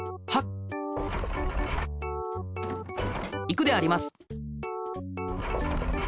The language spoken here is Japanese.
いくであります。